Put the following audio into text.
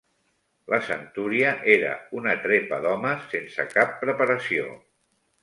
La centúria era una trepa d'homes sense cap preparació